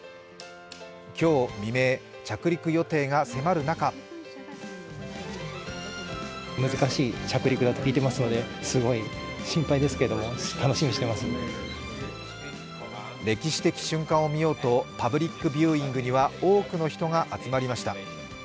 今日未明、着陸予定が迫る中歴史的瞬間を見ようとパブリックビューイングには多くの人が集まりました。